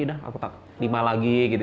udah aku tak lima lagi gitu